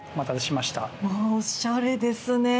おしゃれですね！